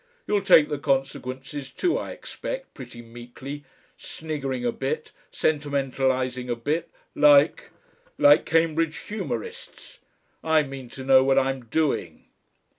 You'll take the consequences, too, I expect, pretty meekly, sniggering a bit, sentimentalising a bit, like like Cambridge humorists.... I mean to know what I'm doing."